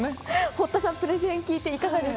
堀田さんプレゼン聞いていかがですか？